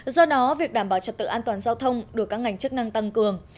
do đó việc đảm bảo trật tự an toàn giao thông được các ngành chức năng tăng cường